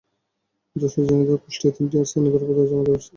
যশোর, ঝিনাইদহসহ কুষ্টিয়ার তিনটি স্থানে দরপত্র জমা দেওয়ার বাক্স রাখা হয়।